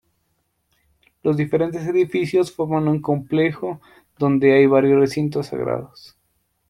Los diferentes edificios forman un complejo donde hay varios recintos sagrados.